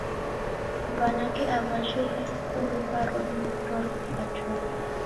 W'anake aw'aje w'a skulu w'arwa mivuto ra chopwa.